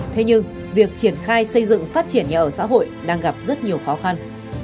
thế nhưng việc triển khai xây dựng phát triển nhà ở xã hội đang gặp rất nhiều khó khăn